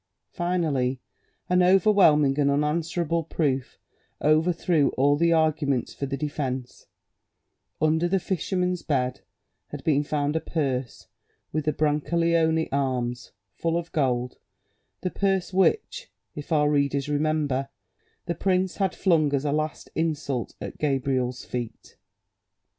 Finally, an overwhelming and unanswerable proof overthrew all the arguments for the defence: under the fisherman's bed had been found a purse with the Brancaleone arms, full of gold, the purse which, if our readers remember, the prince had flung as a last insult at Gabriel's feet.